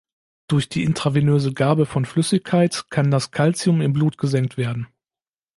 Durch die intravenöse Gabe von Flüssigkeit kann das Calcium im Blut gesenkt werden.